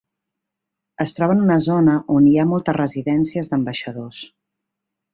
Es troba en una zona on hi ha moltes residències d'ambaixadors.